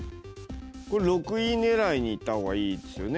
これ６位狙いにいった方がいいですよね？